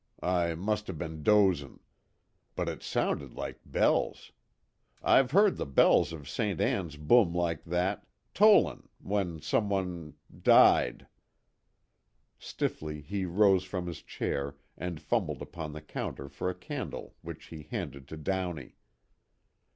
I must have be'n dozin'. But it sounded like bells. I've heard the bells of Ste. Ann's boom like that tollin' when some one died." Stiffly he rose from his chair and fumbled upon the counter for a candle which he handed to Downey.